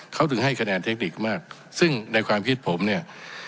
เขาถึงให้คะแนนเทคนิคมากซึ่งในความคิดผมเนี่ย